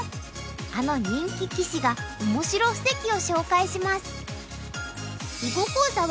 あの人気棋士がオモシロ布石を紹介します。